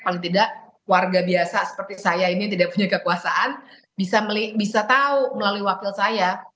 paling tidak warga biasa seperti saya ini yang tidak punya kekuasaan bisa tahu melalui wakil saya